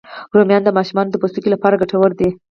رومیان د ماشومانو د پوستکي لپاره ګټور دي